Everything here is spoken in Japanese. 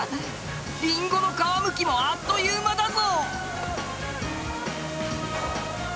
りんごの皮むきもあっという間だぞ！